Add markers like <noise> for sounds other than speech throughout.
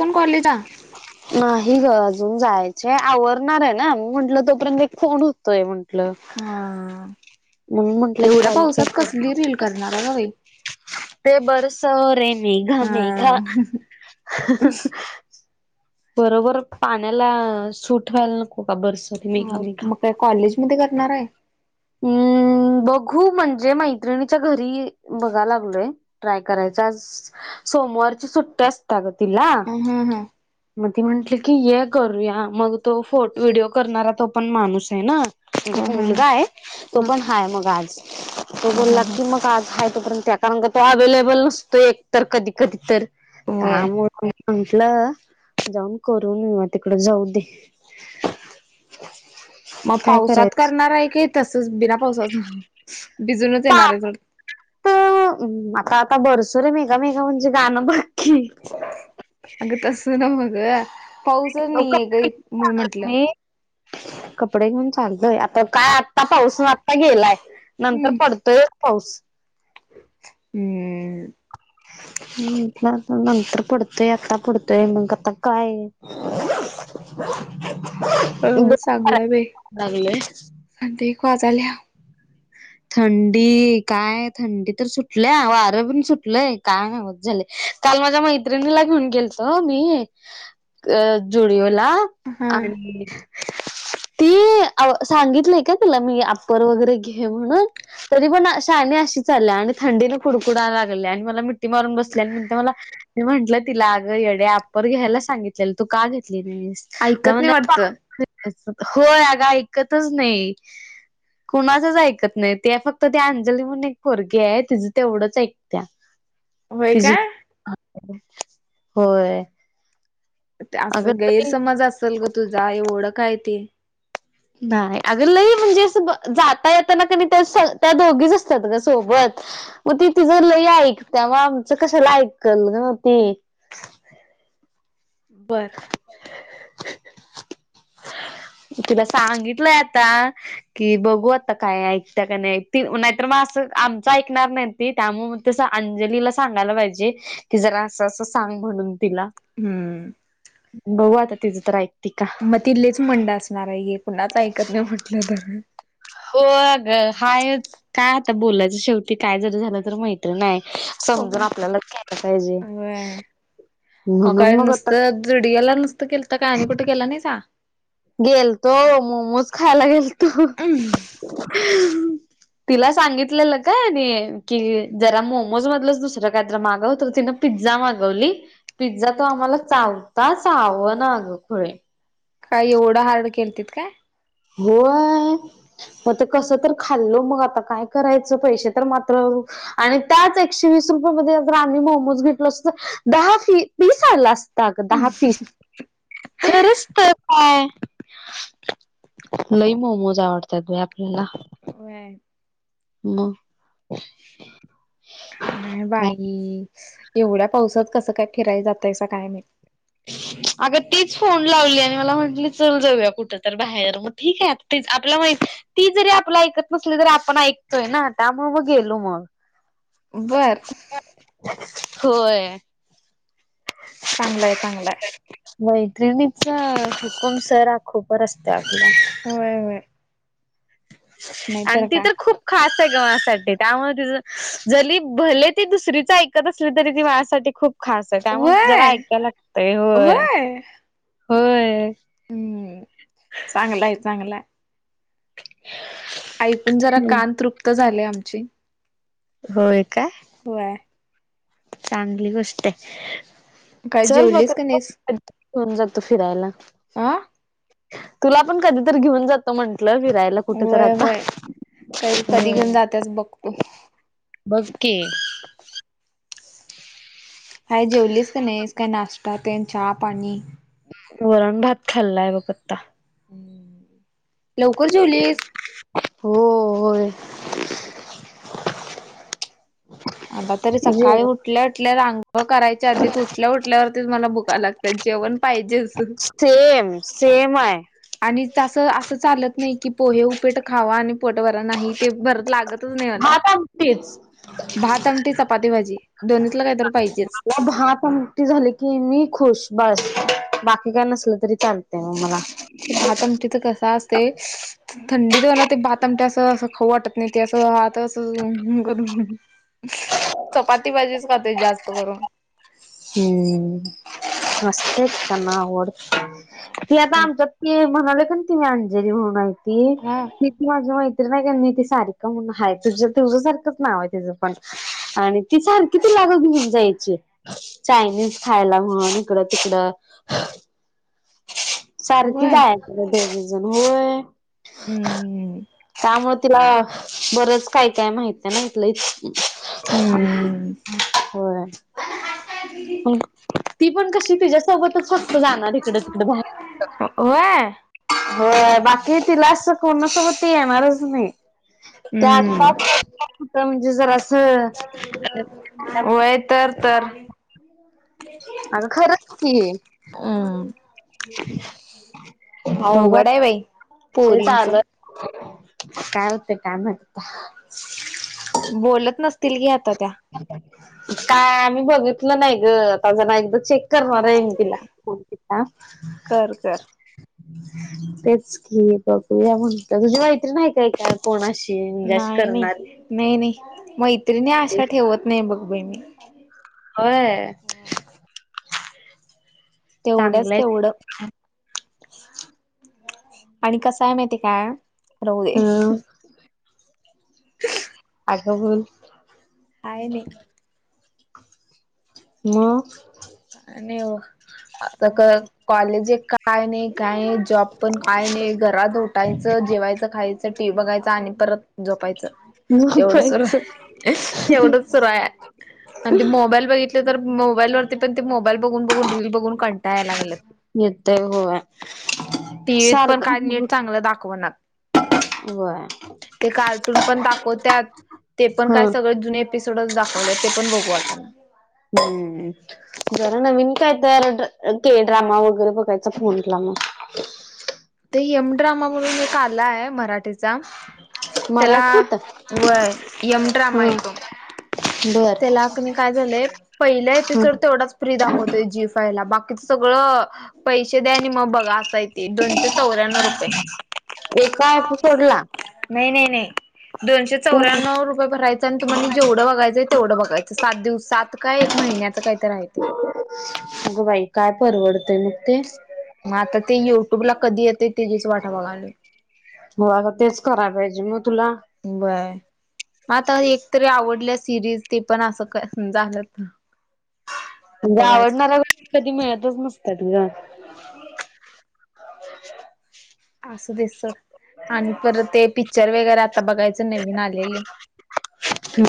कोण करली चा हे ग अजून जायचे आवरणार आहे ना मग म्हंटलं तोपर्यंत एक फोण होतोय म्हंटलं हा मग म्हंटलं एवढ्या कॉल पावसात कसली रील करू करणार ग बाई <inaudible> ते बरसो रे मेघा मेघा हा हहहह बरोबर पाण्याला सुट व्हायला नको का बरसरी मेघा हो मेघा मग काय कॉलेज मध्ये करणार आहे हम्म बघू म्हणजे मैत्रिणीच्या घरी बघाय लागलोय ट्राय करायचा आ सोमवारची सुट्टी असत ग तिला हा हा ह ती म्हंटली की हे करूया मग तो फोटव्हिडिओ करणारा तो पण माणूसय ना ह म्हणजो ह मुलगा आहे तो पण हाय मग आज तो ह ह बोलला ह की मग आज हाय <unintelligible> त्या कारण तो अवेलेबल नसतो एक तर कधी कधी तर होय त्यामुळे म्हटलं जाऊन करून म मग तिकड जाऊ दे मग काय पावसात करायचं करणार हाय काय तसच बिना पावसाच भिजूनच येणार य बग तर आता आता बरसुरे मेकामेका म्हणजे गाणं बघकी अगं तसं नव्ह ग मग पाऊसच नाहीय ग इथ म्हंटलं मी कपडे घेऊन चालतोय आता काय आत्ता पाऊस आता गेलाय नंतर हम्म पडतोय पाऊस हम्म ह म्ह नंतर पडतोय आता पडतोय मग आता काय अ करायला चांगलंय भाई लागले अते एक वाजाल्या ह थंडी काय थंडी तर सुटल्या वारं पण सुटलंय काय नावत झाले काल माझ्या मैत्रिणीला घेऊन गेलतो मी जुडिओ ला. हा आणि ती सांगितलय काय तिला मी अप्पर वगैरे घे म्हणून तरी पण शानी अशीच आल्या आणि थंडीने कुडकुडा लागलेय आणि मला मारून बसल्या. म्हणते मला म्हटलं तिला आग येडे आपपर घ्यायला सांगितले तू का घेत ऐकत नाही वाटत <unintelligible> होय अगा ऐकतच नाही. कुणाचच ऐक ऐकत नाही फक्त ती अंजली म्हणून एक पोरगी हाय तिच तेवढंच ऐकत्या. होय तिची काय? होय. अस अगं गैरसमज असेल ग तुझा. एवढं काय ती नाही अग लही म्हणजे जाता येताना क त्या दोघीच असतात ग सोबत. मग ति तिज लय ऐकत्या मग आमच कशाला ऐकल ग ती? <inaudible> बर. तुला सांगितलंय आता की बघू आता काय ऐकता काय नाही ती नाहीतर म अस आमचं ऐकणार नाहीन ती त्यामुळे अस त्या अंजलीला सांगायला पायजे की जरा अस आस सांग म्हणून तिला. हम्म. बगू आता तिथं तर आईकत्या म तीलेच मंड असणार आहे हे कुणाच ऐकत नाही म्हटलं तर. हो अ ग हायच काय आता बोलायचं शेवटी काय जरी झालं तर मैत्रीण आहे. हो समजून काय? आपल्यालाच घ्यायला पाहिजे. म म्हणून काय मग आता नुसतं जुडिओ नुसतं गलं तर काय आणि कुठे गेला नाईसा? गेलतो मोमोज खायला गेलतो. तिला सांगितलेलं काय आणि की जरा मोमोज मधलच दुसरं काही मागव तर तीन पिझ्झा मागवली पिझ्झा तो आम्हाला चावता चवणा आग खुळे. काय एवढं हार्ड केलतीत काय? होय. मग ते कस तर खाल्ल मग आता काय करायचं पैसे तर मात्र आणि त्याच एकशे वीस आम्ही मोमोज घेतल असत तर दहा पिस आलं असत. ग दहा पीस खरंच तर काय लय मोमोज आवडतात आपल्याला होय. मग काय बाई एवढ्या पावसात कसं काय फिरायला जातयसा काय माहित <inaudible> अग तीच फोन लावली आणि मला म्हटली चल जाऊया कुठ तर बाहेर मग ठीक आहे आपल्या ती जरी आपला ऐकत नसली तरी आपण ऐकतोय ना त्यामुळे मग गेलो मग. बर. होय. चांगलाय चांगलाय. मैत्रिणीचा हुकुम सर आखो पर असतय आपल्याला. होय होय. आणि नाहीतर ती काय. तर खूप खात- मासाठीत्यामुळे त जरी भले ती दुसरीच ऐकत असली तरी ती माझ्यासाठीठी खूप खास आहे त्यामुळे जरा व्हय ऐकायला लागतंय होय. व्हय. होय. हम्म चांगल आहे चांगलय. ऐकून जरा हम्म. कान तृप्त झाले आमचे. होय काय. होय. चांगली गोष्ट आहे काय चल जेवलीस का मगेऊन ज. <unintelligible> तो फिरायला. आं. तुला पण कधीतरी घेऊन जातो म्हण. कुठलं फिरायला कुठे तर होय आता होय काही कधी घेऊन हम्म. जात्याच बघतो बसकी. काय जेवलीस का नाहीस काय नाश्ता ते चहा, पाणी. वरण, भात खाल्लाय बघ आता. लवकर जेवलीस? हो होय. आता तरी जे सकाळी वुठलेत. ल्या रांग करायच्या आधी उठल्या उठल्यावरतीच मला भुका लागतात जेवण पाहिजेच. सेम, सेम आहे. अस अस चालत नाही की पोहे, उपेट खावा आणि पोट भरा नाही ते भरत लागत. भात आमडीच. भात, आमटी, चपाती, भाजी दोन्हीतला काहीत पाहिजे. मला भठी झाली की मी खुश बस बाकी काय नसल तरी चाल. तेव्हा मला. भात आमटीच कसं ते थंडीत मला ते भाताम अस, अस खाऊ वाटत नाही ते असं हात अस करुन. चपाती, भाजीच खाते जास्त करून. हम्म मस्तच चना आवड. ती आता आमच्या ते म्हणाले काण ती मी अंजेरी म्हणून आहे. हा तिथ वाज मा <inaudible> ते नाही का सारिका म्हणून आहे ती तुझ्यासारखाच नाव आहे तुझं पण ती सारकी तुला <unintelligible> चायनीज खायला म्हणून इकडं तिकडं <unintelligible> होय हम्म त्यामुळे तिला बरंच काय काय माहित आहे ना हितल. हम्म होय. ती पण कशी तिच्यासोबतच फक्त जाणार तिकड तिकड बाहेर होय हो बाकी तिला असं कोणासोबत त येणारच नाही त्या हम्म आ म्हणजे जर अस हम् होय तर तर अगं खरंच बघू होघडा आता आहे बाई विषय पोरींच चालू आहे काय होते कामता बोलत नसतील की आता त्या काय आम्ही बघितलं नाही गता जण एकदा चेक करणार आहे मी तिला कर कर तेच की प्रक्रिया म्हणत तुझी माैत्री नाही काय का कोणाशी नाही नाही नाही नाही मैत्रिणी आशा ठेवत नाही बघ बई मी होय तेवढंच चांगलंय तेवढं आणि कसय माहिती काय राहू दे हं ते अगा बोल हाय नाही मग नाही आता कॉलेज काय नाही काय जॉब पण काय नाही घरात उटायचं जेवायचं खायचं टी बघायचं आणि परत जोपायचं एवढ सुर झोपायचं एवढच सुर आहे आणि ते मोबाईल बघितले तर मोबाईलवर पण ते मोबाईल बघून बघून रील बघून कंटायला लागल येतंय होय तीच पण काय नीट चांगलं दाखवणार ग ते कार्टून पण दाखवतत ते पण काय हं सगळे जुून एपिसोडच दाखवले ते पण बघू वाट ना हम्म जरा नवीन काय तर ते ड्रामा वगैरे बघायचा फोंटला मग ते यम ड्रामा म्हणून एक आलाय मराठी त्याला मराठीत व यम ड्रामा हा येतो बर त्याला काय झालंय पहिला एपिसोड तेवढाच फ्री दाखवतोय जी फाय लाकी िथ सगळं पैसे द्या आणि मग बघा असाय तेे दोनशे चौऱ्यान्नव रुपये एका ऍप सोडला नाही नाही नाही दोनशे तू चौऱ्यान्नव रुपये भरायचे तु्हा जेवढं बघाचंय तेवंघायचं सात दिवस सात काय एक महि्याच अगं बाई काय परवडत मग आता ते युट्यूब ला कधी येतं तेचीीच वाटा बघाली हो आता तेच कराय पाहिजे मग तुला बाय म आता एकतरी आवडल्या सिरीज ते पण असं का झालं त म्हणजे आवडणाऱ्या गोष्टी कधी मिळतच नसत्यात ग. असू दे सोड आणि परत ते पिच्चर वगैरा आता बघायचं नवीन आलेले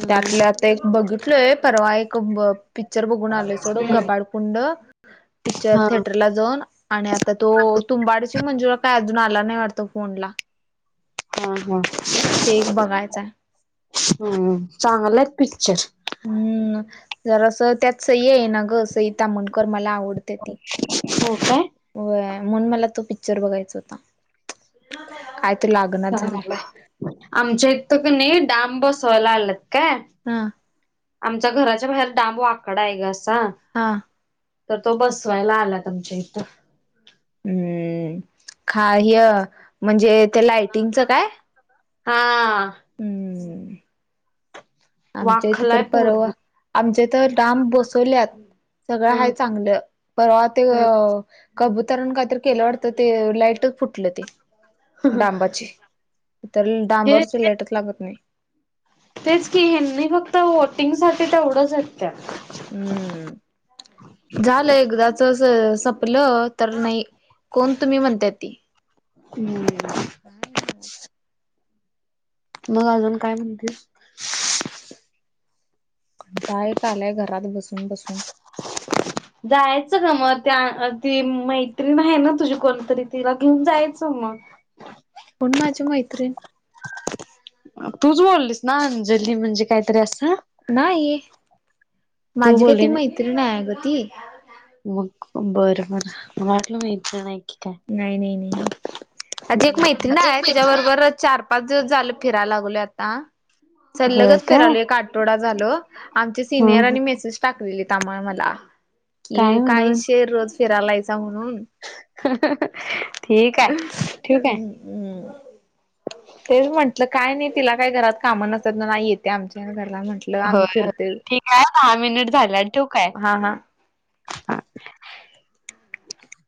त्यातलं आता एक बघितलय परवा एक ब पिक्चर बोघण आलेसाड हम्म ग्बाडकंड पिक्चर हा थिएटरला जाऊन आणि आता तो तुंबाडची मंजूर ला नाही वाटतो फोन ला हा हा बघायचा आहे. हम् चांगलं आहेत पिक्चर हम्म जरा अस त्यात सही आहे ना ग सहिता म्हणकर मला आवडत हो काय व मून मला तो पिक्चर बघायचा होता काय तो लागणाच झालाय चलाय आमच्या इ तर का नाही डांब बसायला आलात काय हा आमच्या घराच्या बाहेर डांब वाकडा आहे ग अस चा हा तर तो बसवायला आलात आमच्याइथ. हम्म खा य म्हणजे ते लायटिंगचं काय? हा <unintelligible> आमच्या इथे वाखलाय तर परवा पूर्ण आमच्या इथं तर डांब बसवल्यात. सगळं हाय हम्म चांगलं परवा ते हम्म अ कबूतरण कायतरी केलं वाटतं ते लाईट फुटलं ते डांबाचे तर हे डांबावरच लाईटच लागत नाय. तेच की हैनी फक्त वोटिंग साठी तेवढं झटत हम्म पलं तर नाही कोण तुम्ही म्हणताय ती हम्म हाय नव्हच. मग अजून काय म्हणतीसं. कंटाळा एक आलाय घरात बसून बसून. जायचं का मग त्या ती मैत्रीण आहे ना तुझी कोणतरी तिला घेऊन जायचं मग <unintelligible> कोणं माझी मैत्रीण तूच बोललीस ना अंजली म्हणजे काय तरी असं नाही तू माझी काही ती बोलली नाही मैत्रीण नाय अग ती मग बरं बरं मला वाटल मैत्रीण हाय. नाय नाय नाय नाय. माझी एक मैत्रीण हाय काय तिज्या बरोबर चार पाच दिवस झाल फिरायला लागलोय आत आ होय सलगच काय फिरालोय एक आठवडा झाल आमच्या ह सिनियरांनी मेसेस टाकलेलेत. आमा मला काय की काही म्हणून शेर रोज फिरायलायसा म्हणून <unintelligible> अ आहे अ ठीक आहे तेच म्हंटलं काय नाई तिला काय घरात काम नसत्यात ना नाही येते आमच्या घरात हो ठीक आहे दहा मिनिट झाले आणि ठेवू काय. हा हा. <unintelligible>